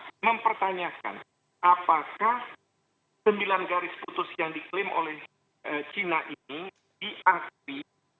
dan mempertanyakan apakah sembilan garis putus yang diklaim oleh china ini diakui